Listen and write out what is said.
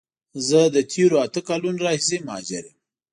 زه د تیرو اته کالونو راهیسی مهاجر یم.